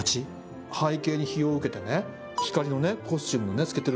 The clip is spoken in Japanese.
背景に日を受けてね。